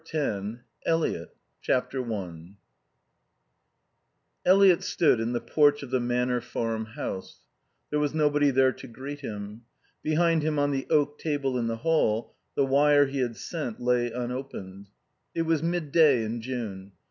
X ELIOT i Eliot stood in the porch of the Manor Farm house. There was nobody there to greet him. Behind him on the oak table in the hall the wire he had sent lay unopened. It was midday in June.